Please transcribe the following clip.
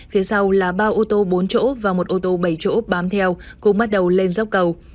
phía sau là ba ô tô bốn chỗ và một ô tô bảy chỗ bám theo cùng bắt đầu lên dốc cầu